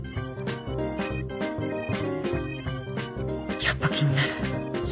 やっぱ気になる。